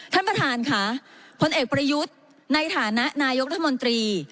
ท่านประธานค่ะพลเอกประยุทธ์ในฐานะนายกรัฐมนตรี